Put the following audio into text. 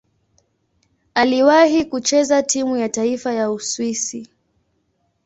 Aliwahi kucheza timu ya taifa ya Uswisi.